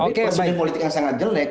presiden politik yang sangat jelek